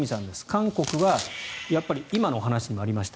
韓国は今のお話にもありました